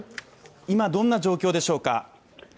今どんな状況でしょうか？